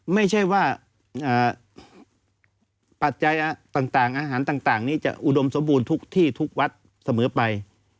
ไม่ใช่ว่าปัจจัยต่างอาหารต่างนี้จะอุดมสมบูรณ์ทุกที่ทุกวัดเสมอไป